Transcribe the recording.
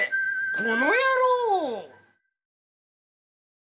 この野郎！